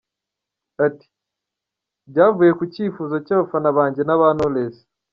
Ati, “Byavuye ku cyivuzo cy’abafana banjye n’aba Knowless.